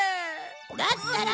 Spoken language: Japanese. だったら！